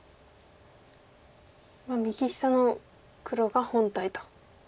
右下の黒が本体と。